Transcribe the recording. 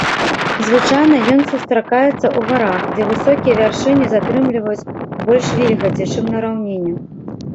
Звычайна ён сустракаецца ў гарах, дзе высокія вяршыні затрымліваюць больш вільгаці, чым на раўніне.